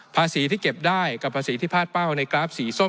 ภาษีที่เก็บได้กับภาษีที่พาดเป้าในกราฟสีส้ม